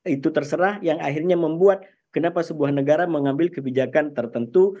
itu terserah yang akhirnya membuat kenapa sebuah negara mengambil kebijakan tertentu